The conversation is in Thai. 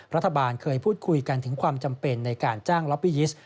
รัฐบาลเคยพูดคุยกันถึงความจำเป็นในการจ้างล็อบปี้ยิสต์